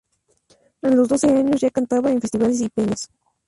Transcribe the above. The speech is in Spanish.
A los doce años ya cantaba en festivales y peñas.